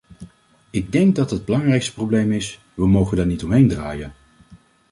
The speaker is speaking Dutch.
Ik denk dat dat het belangrijkste probleem is; we mogen daar niet omheen draaien.